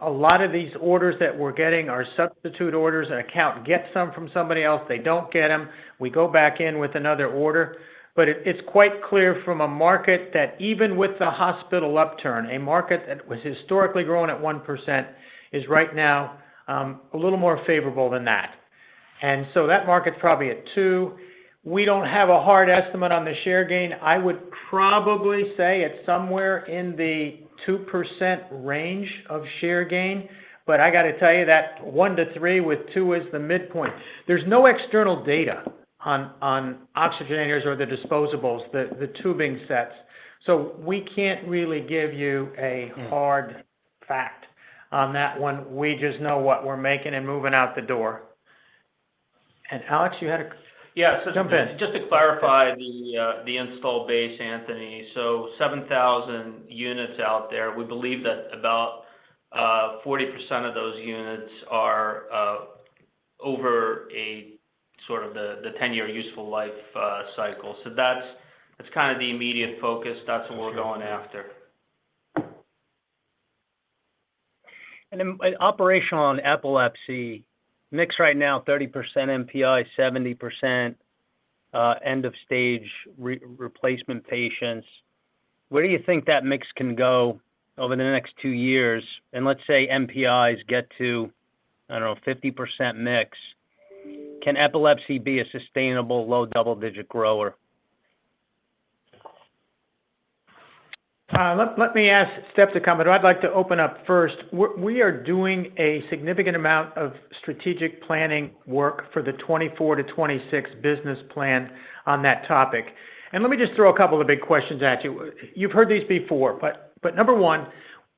a lot of these orders that we're getting are substitute orders. An account gets them from somebody else, they don't get them, we go back in with another order. It's quite clear from a market that even with the hospital upturn, a market that was historically growing at 1%, is right now a little more favorable than that. That market's probably at 2. We don't have a hard estimate on the share gain. I would probably say it's somewhere in the 2% range of share gain, but I got to tell you that 1-3, with 2 is the midpoint. There's no external data on oxygenators or the disposables, the tubing sets. We can't really give you a hard fact on that one. We just know what we're making and moving out the door. Alex, you had a. Yeah. Jump in. Just to clarify the install base, Anthony. 7,000 units out there, we believe that about, 40% of those units are, over a sort of the 10-year useful life, cycle. That's kind of the immediate focus. That's what we're going after. Operational on epilepsy, mix right now, 30% NPI, 70% end of stage replacement patients. Where do you think that mix can go over the next two years? Let's say NPIs get to, I don't know, 50% mix. Can epilepsy be a sustainable, low double-digit grower? Let me ask Steph to come, I'd like to open up first. We are doing a significant amount of strategic planning work for the 2024 to 2026 business plan on that topic. Let me just throw a couple of big questions at you. You've heard these before, number one,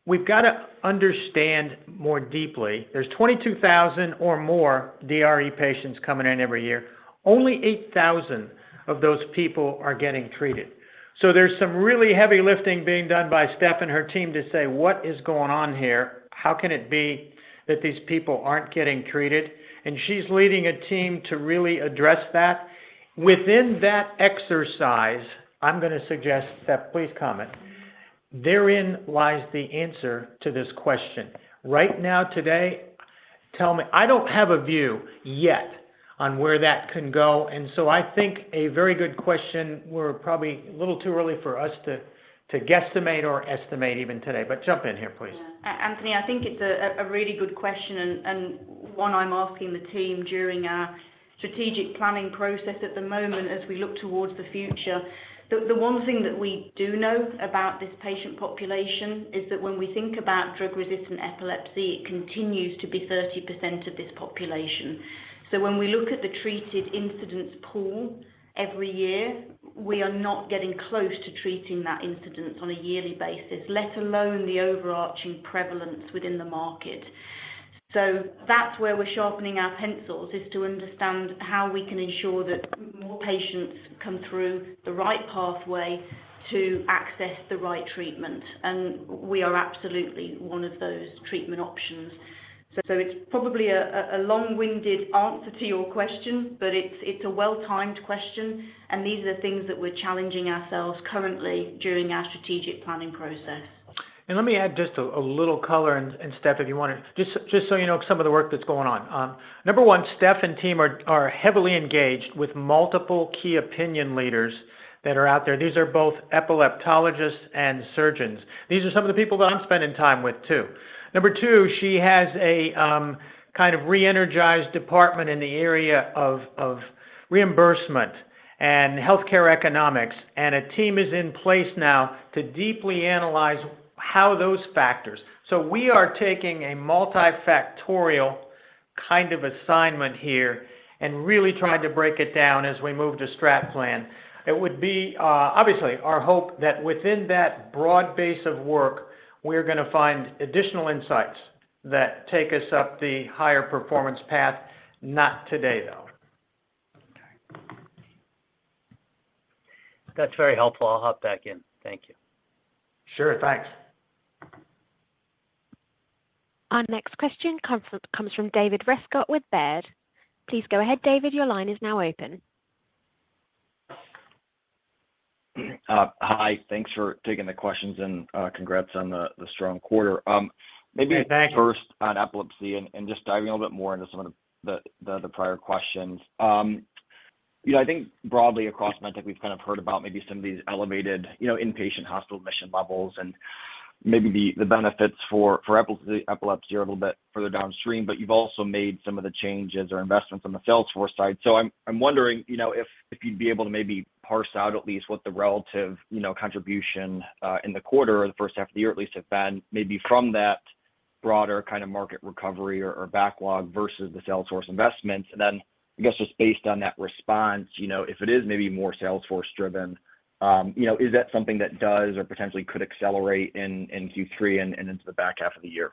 we've got to understand more deeply. There's 22,000 or more DRE patients coming in every year. Only 8,000 of those people are getting treated. There's some really heavy lifting being done by Steph and her team to say, "What is going on here? How can it be that these people aren't getting treated?" She's leading a team to really address that. Within that exercise, I'm gonna suggest, Steph, please comment. Therein lies the answer to this question. Right now, today, I don't have a view yet on where that can go. I think a very good question, we're probably a little too early for us to guesstimate or estimate even today. Jump in here, please. Yeah. Anthony, I think it's a really good question and one I'm asking the team during our strategic planning process at the moment as we look towards the future. The one thing that we do know about this patient population is that when we think about drug-resistant epilepsy, it continues to be 30% of this population. When we look at the treated incidence pool every year, we are not getting close to treating that incidence on a yearly basis, let alone the overarching prevalence within the market. That's where we're sharpening our pencils, is to understand how we can ensure that more patients come through the right pathway to access the right treatment. We are absolutely one of those treatment options. It's probably a long-winded answer to your question, but it's a well-timed question, and these are the things that we're challenging ourselves currently during our strategic planning process. Let me add just a little color, Steph, if you want to... So you know, some of the work that's going on. Number one, Steph and team are heavily engaged with multiple key opinion leaders that are out there. These are both epileptologists and surgeons. These are some of the people that I'm spending time with, too. Number two, she has a kind of reenergized department in the area of reimbursement and healthcare economics, and a team is in place now to deeply analyze how those factors. We are taking a multifactorial kind of assignment here and really trying to break it down as we move to strat plan. It would be, obviously, our hope that within that broad base of work, we're gonna find additional insights that take us up the higher performance path. Not today, though. Okay. That's very helpful. I'll hop back in. Thank you. Sure. Thanks. Our next question comes from David Rescott with Baird. Please go ahead, David. Your line is now open. Hi. Thanks for taking the questions, and congrats on the strong quarter. Thanks. first on epilepsy and just diving a little bit more into some of the prior questions. you know, I think broadly across Medtech, we've kind of heard about maybe some of these elevated, you know, inpatient hospital admission levels and maybe the benefits for epilepsy are a little bit further downstream, but you've also made some of the changes or investments on the Salesforce side. I'm wondering, you know, if you'd be able to maybe parse out at least what the relative, you know, contribution in the quarter or the first half of the year at least have been, maybe from that broader kind of market recovery or backlog versus the Salesforce investments? I guess, just based on that response, you know, if it is maybe more Salesforce driven, you know, is that something that does or potentially could accelerate in Q3 and into the back half of the year?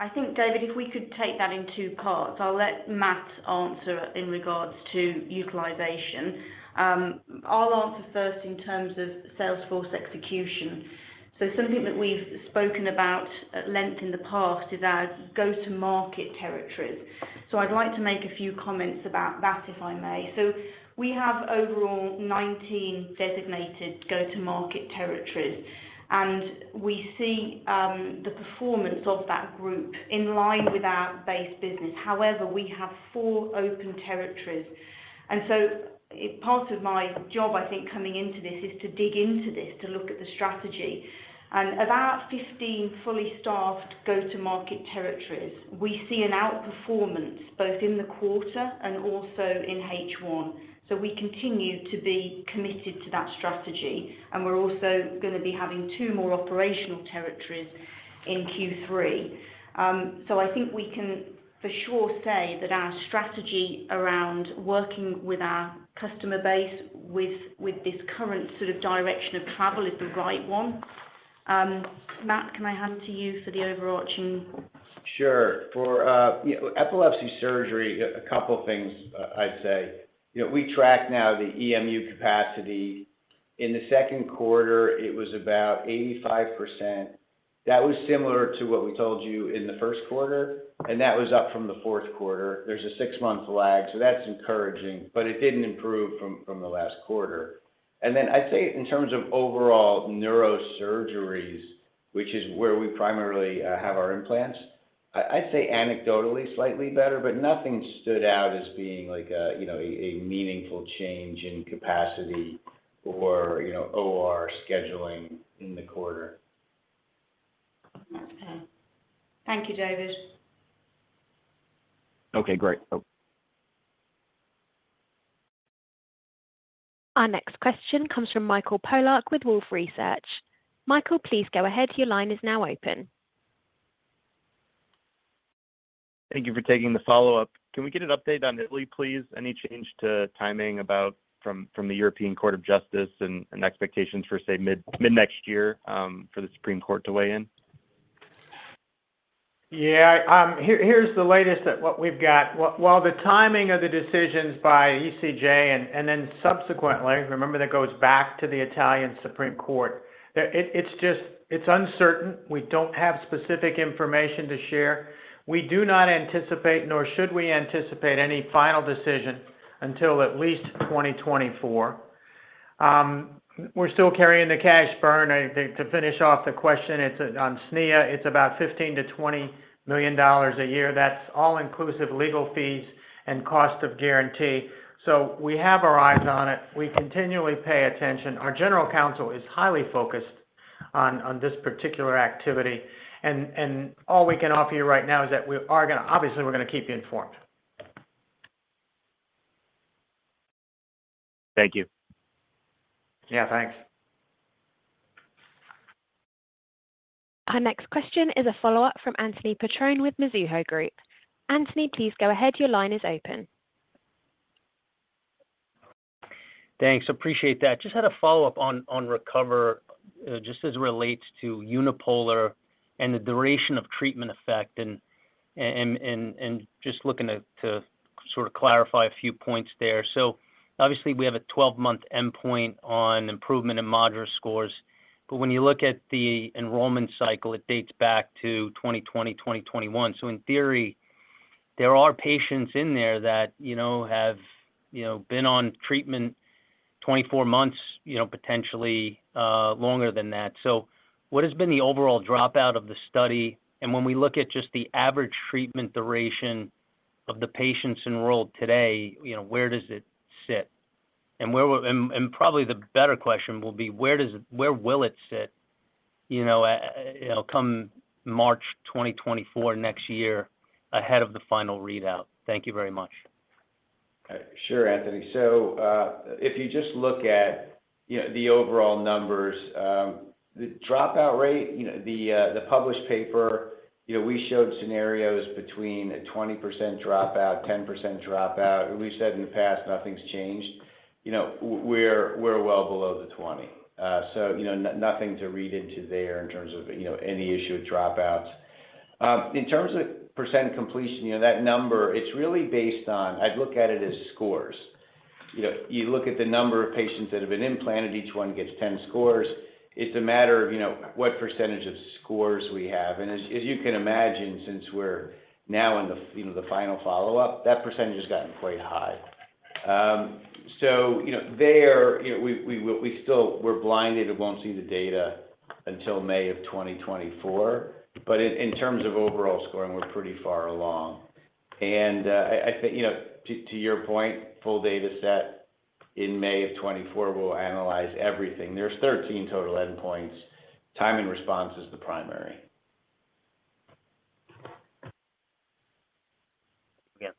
I think, David, if we could take that in 2 parts. I'll let Matt answer in regards to utilization. I'll answer first in terms of Salesforce execution. Something that we've spoken about at length in the past is our go-to-market territories. I'd like to make a few comments about that, if I may. We have overall 19 designated go-to-market territories, and we see the performance of that group in line with our base business. However, we have 4 open territories. Part of my job, I think, coming into this, is to dig into this, to look at the strategy. 15 fully staffed go-to-market territories. We see an outperformance both in the quarter and also in H1. We continue to be committed to that strategy, and we're also going to be having 2 more operational territories in Q3. I think we can for sure say that our strategy around working with our customer base, with this current sort of direction of travel is the right one. Matt, can I hand to you for the overarching? Sure. For, you know, epilepsy surgery, a couple of things I'd say. You know, we track now the EMU capacity. In the Q2, it was about 85%. That was similar to what we told you in the first quarter, and that was up from the fourth quarter. There's a six-month lag, so that's encouraging, but it didn't improve from the last quarter. Then I'd say in terms of overall neurosurgeries, which is where we primarily have our implants, I'd say anecdotally, slightly better, but nothing stood out as being like a, you know, a meaningful change in capacity or, you know, OR scheduling in the quarter. Okay. Thank you, David. Okay, great. Our next question comes from Michael Polark with Wolfe Research. Michael, please go ahead. Your line is now open. Thank you for taking the follow-up. Can we get an update on Italy, please? Any change to timing about from the European Court of Justice and expectations for, say, mid-next year, for the Supreme Court to weigh in? Here's the latest at what we've got. While the timing of the decisions by ECJ and then subsequently, remember, that goes back to the Italian Supreme Court, that it's just, it's uncertain. We don't have specific information to share. We do not anticipate, nor should we anticipate any final decision until at least 2024. We're still carrying the cash burn. I think to finish off the question, it's on SNIA, it's about $15 million-$20 million a year. That's all inclusive legal fees and cost of guarantee. We have our eyes on it. We continually pay attention. Our general counsel is highly focused on this particular activity, and all we can offer you right now is that obviously, we're going to keep you informed. Thank you. Yeah, thanks. Our next question is a follow-up from Anthony Petrone with Mizuho Group. Anthony, please go ahead. Your line is open. Thanks. Appreciate that. Just had a follow-up on RECOVER, just as it relates to unipolar and the duration of treatment effect, and just looking to sort of clarify a few points there. Obviously, we have a 12-month endpoint on improvement in moderate scores, but when you look at the enrollment cycle, it dates back to 2020, 2021. In theory, there are patients in there that, you know, have, you know, been on treatment 24 months, you know, potentially longer than that. What has been the overall dropout of the study? When we look at just the average treatment duration of the patients enrolled today, you know, where does it sit? Where will it sit, you know, come March 2024 next year, ahead of the final readout? Thank you very much. Sure, Anthony. If you just look at, you know, the overall numbers, the dropout rate, you know, the published paper, you know, we showed scenarios between a 20% dropout, 10% dropout. We've said in the past, nothing's changed. You know, we're well below the 20. You know, nothing to read into there in terms of, you know, any issue with dropouts. In terms of % completion, you know, that number, it's really based on. I'd look at it as scores. You know, you look at the number of patients that have been implanted, each one gets 10 scores. It's a matter of, you know, what % of scores we have. As you can imagine, since we're now in the, you know, the final follow-up, that % has gotten quite high. You know, there, you know, we still-- we're blinded and won't see the data until May of 2024, but in terms of overall scoring, we're pretty far along. I think, you know, to your point, full data set in May of 2024, we'll analyze everything. There's 13 total endpoints. Timing response is the primary. Yeah.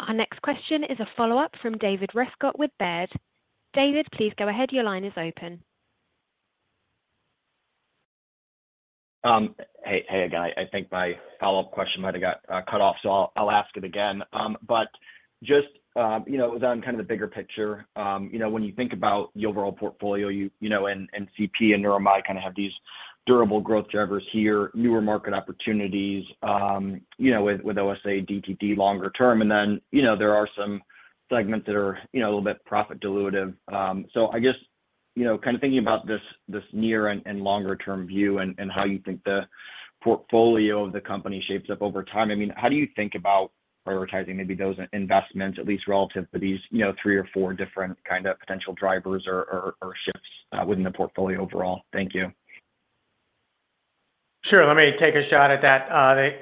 Our next question is a follow-up from David Rescott with Baird. David, please go ahead. Your line is open. Hey again. I think my follow-up question might have got cut off, so I'll ask it again. Just, you know, on kind of the bigger picture, you know, when you think about the overall portfolio, you know, and CP and neuromod kind of have these durable growth drivers here, newer market opportunities, you know, with OSA, DTD longer term, and then, you know, there are some segments that are, you know, a little bit profit dilutive. I guess, you know, kind of thinking about this near and longer term view and how you think the portfolio of the company shapes up over time, I mean, how do you think about prioritizing maybe those investments, at least relative to these, you know, three or four different kind of potential drivers or shifts within the portfolio overall? Thank you. Sure, let me take a shot at that.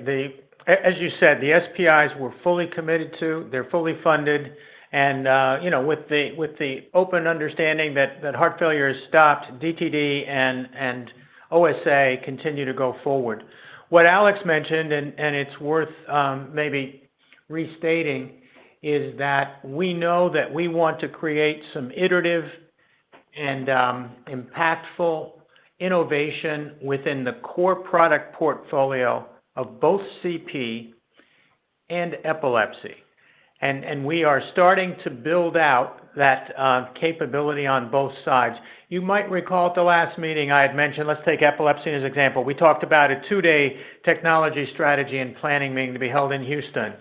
The, as you said, the SPIs we're fully committed to, they're fully funded, and, you know, with the, with the open understanding that heart failure is stopped, DTD and OSA continue to go forward. What Alex mentioned, and it's worth, maybe restating, is that we know that we want to create some iterative and, impactful innovation within the core product portfolio of both CP and epilepsy. We are starting to build out that, capability on both sides. You might recall at the last meeting, I had mentioned, let's take epilepsy as an example. We talked about a two-day technology strategy and planning meeting to be held in Houston.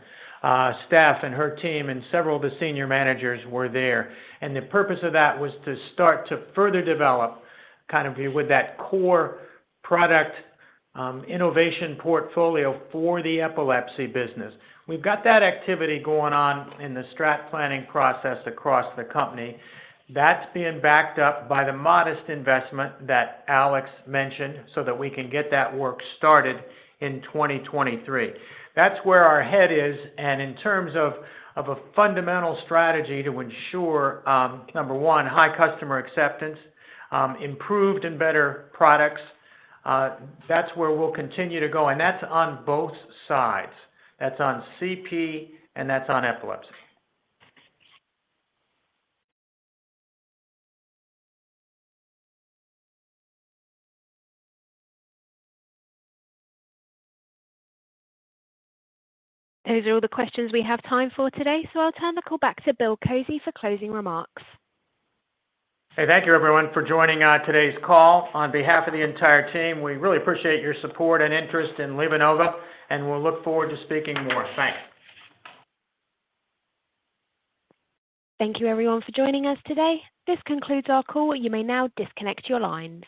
Steph and her team and several of the senior managers were there, the purpose of that was to start to further develop kind of with that core product, innovation portfolio for the epilepsy business. We've got that activity going on in the strat planning process across the company. That's being backed up by the modest investment that Alex mentioned so that we can get that work started in 2023. That's where our head is. In terms of a fundamental strategy to ensure, number one, high customer acceptance, improved and better products, that's where we'll continue to go, that's on both sides. That's on CP. That's on epilepsy. Those are all the questions we have time for today, so I'll turn the call back to Bill Kozy for closing remarks. Hey, thank you, everyone, for joining today's call. On behalf of the entire team, we really appreciate your support and interest in LivaNova, and we'll look forward to speaking more. Thanks. Thank you, everyone, for joining us today. This concludes our call. You may now disconnect your lines.